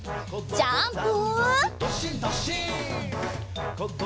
ジャンプ！